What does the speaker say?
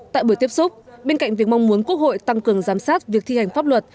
tại buổi tiếp xúc bên cạnh việc mong muốn quốc hội tăng cường giám sát việc thi hành pháp luật